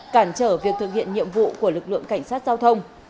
cản trở việc thực hiện nhiệm vụ của lực lượng cảnh sát giao thông